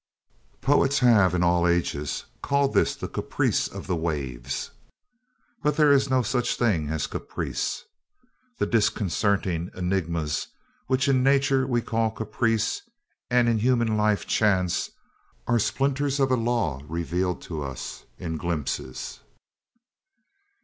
Poets have, in all ages, called this the caprice of the waves. But there is no such thing as caprice. The disconcerting enigmas which in nature we call caprice, and in human life chance, are splinters of a law revealed to us in glimpses.